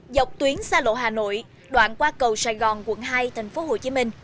dọc tuyến xa lộ hà nội đoạn qua cầu sài gòn quận hai tp hcm